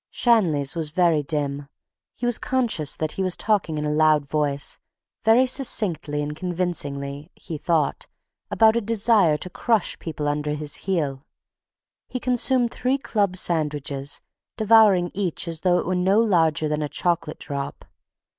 Shanley's was very dim. He was conscious that he was talking in a loud voice, very succinctly and convincingly, he thought, about a desire to crush people under his heel. He consumed three club sandwiches, devouring each as though it were no larger than a chocolate drop.